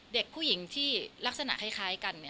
เด็กผู้หญิงที่ลักษณะคล้ายกัน